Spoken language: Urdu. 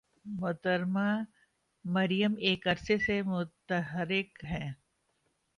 محترمہ مریم ایک عرصہ سے متحرک ہیں۔